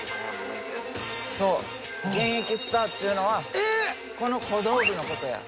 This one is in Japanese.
そう現役スターっちゅうのはこの小道具のことや。